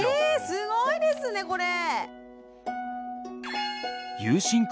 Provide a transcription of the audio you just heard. すごいですねこれ。